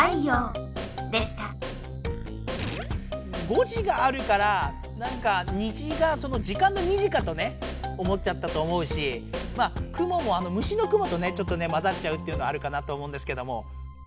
「ごじ」があるからなんか「にじ」が時間の「２時」かとね思っちゃったと思うし「くも」も虫のクモとねちょっとねまざっちゃうっていうのあるかなと思うんですけども。